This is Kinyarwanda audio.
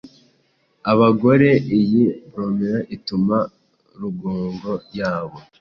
Abagore iyi bromelain ituma rugongo yabo,